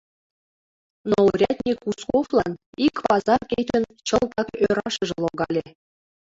Но урядник Узковлан ик пазар кечын чылтак ӧрашыже логале.